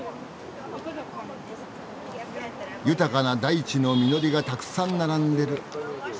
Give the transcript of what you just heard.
豊かな大地の実りがたくさん並んでる。